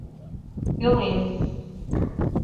Пӧлем.